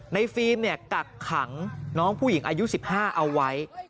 ในฟีมกักขังน้องผู้หญิงอายุ๑๕เอาไว้